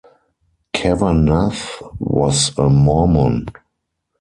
Cavanaugh was a Mormon.